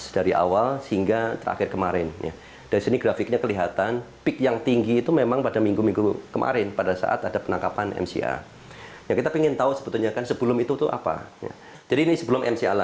dari sini kita akan mencari pengetahuan dari mca